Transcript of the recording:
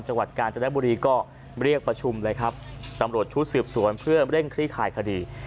จังหวัดกาญจนบุรีก็เรียกประชุมเลยครับตำรวจชุดสืบสวนเพื่อเร่งคลี่คายคดี